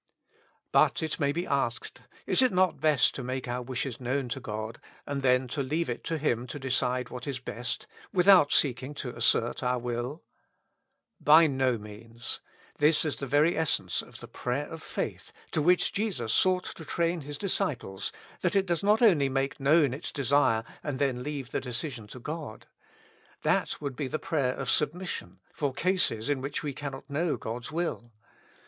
But, it may be asked, is it not best to make our wishes known to God, and then to leave it to Him to decide what is best, without seeking to assert our will ? By no means. This is the very essence of the prayer of faith, to which Jesus sought to train His disciples, that it does not only make known its desire and then leave the decision to God. That would be the prayer of submission, for cases in which we cannot know God's will.